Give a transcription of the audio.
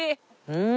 うん！